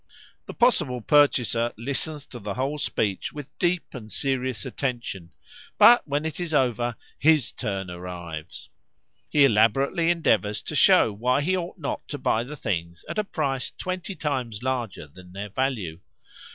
The possible purchaser listens to the whole speech with deep and serious attention; but when it is over his turn arrives. He elaborately endeavours to show why he ought not to buy the things at a price twenty times larger than their value.